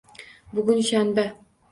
Bugun shanba.